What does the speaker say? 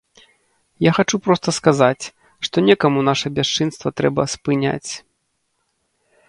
Я хачу проста сказаць, што некаму наша бясчынства трэба спыняць.